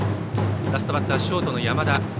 ラストバッター、ショートの山田。